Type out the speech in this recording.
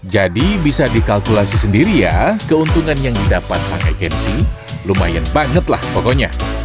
jadi bisa dikalkulasi sendiri ya keuntungan yang didapat sang agensi lumayan banget lah pokoknya